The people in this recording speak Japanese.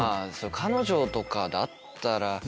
彼女とかだったら。